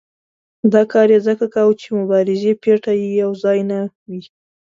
دا کار یې ځکه کاوه چې مبارزې پېټی یو ځای نه وي.